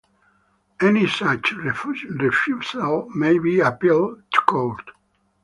Any such refusal may be appealed to court.